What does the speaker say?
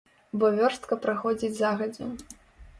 Бо вёрстка праходзіць загадзя.